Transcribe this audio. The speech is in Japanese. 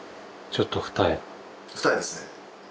二重ですね。